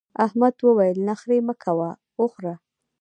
احمد وويل: نخرې مه کوه وخوره.